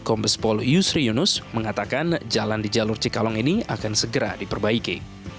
kombes pol yusri yunus mengatakan jalan di jalur cikalong ini akan segera diperbaiki